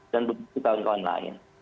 dan begitu kawan kawan lain